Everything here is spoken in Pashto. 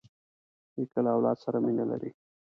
نیکه له اولاد سره مینه لري.